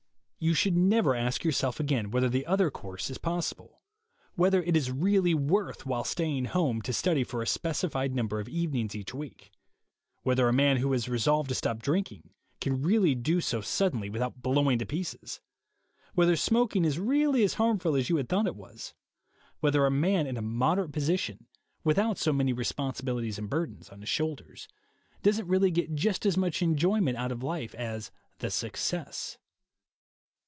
You should never ask yourself again whether the other course is possible; whether it is really worth while staying home to study for a specified number of evenings each week ; whether a man who has resolved to stop drinking can really do so suddenly without blowing to pieces ; whether smoking is really as harmful as you had thought it was ; whether a man in a moderate posi es 56 THE WAY TO WILL FOWER tion, without so many responsibilities and burdens on his shoulders, doesn't really get just as much enjoyment out of life as the Success.